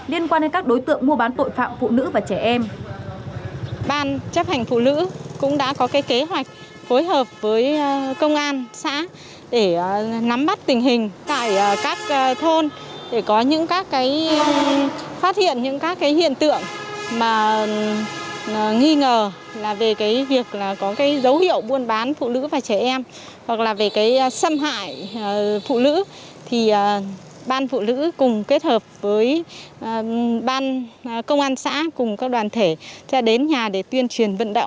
liên quan đến các đối tượng mua bán tội phạm phụ nữ và trẻ em